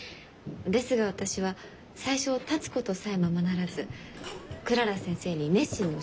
ですが私は最初立つことさえままならずクララ先生に熱心に教えていただいて。